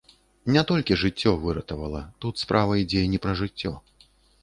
Не толькі жыццё выратавала, тут справа ідзе не пра жыццё.